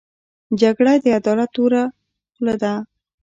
جګړه د عدالت توره خوله ده